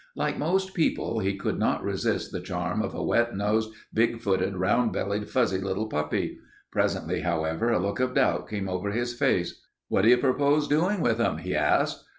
Like most people he could not resist the charm of a wet nosed, big footed, round bellied, fuzzy little puppy. Presently, however, a look of doubt came over his face. "What do you propose doing with them?" he asked.